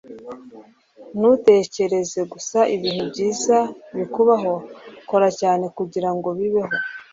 ntutegereze gusa ibintu byiza bikubaho. kora cyane kugirango bibeho